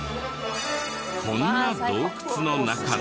こんな洞窟の中で。